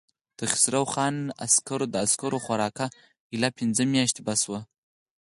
د خسرو خان د عسکرو خوراکه اېله پنځه مياشتې بس شوه.